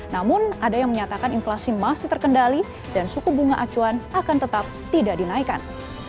namun ada yang menyatakan inflasi masih terkendali dan suku bunga acuan akan tetap tidak dinaikkan